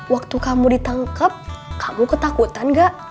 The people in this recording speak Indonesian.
waktu kamu ditangkap kamu ketakutan gak